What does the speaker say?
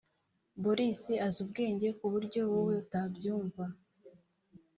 Boris azi ubwenge kuburyo wowe utabyumva